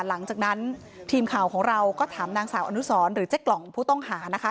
หลังจากนั้นทีมข่าวของเราก็ถามนางสาวอนุสรหรือเจ๊กล่องผู้ต้องหานะคะ